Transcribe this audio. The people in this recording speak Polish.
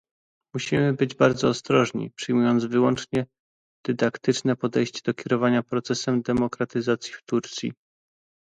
Musimy być bardzo ostrożni, przyjmując wyłącznie dydaktyczne podejście do kierowania procesem demokratyzacji w Turcji